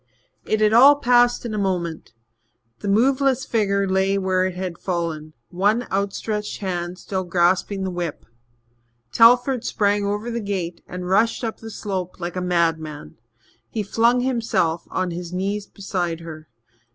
It had all passed in a moment. The moveless figure lay where it had fallen, one outstretched hand still grasping the whip. Telford sprang over the gate and rushed up the slope like a madman. He flung himself on his knees beside her.